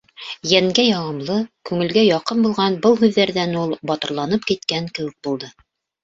Йәнгә яғымлы, күңелгә яҡын булған был һүҙҙәрҙән ул батырланып киткән кеүек булды.